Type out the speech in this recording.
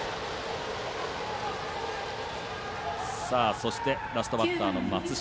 そして、ラストバッターの松下。